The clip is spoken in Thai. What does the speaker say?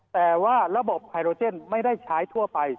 แต่ว่าระบบไฮโรเจนไม่ได้ใช้ทั่วไป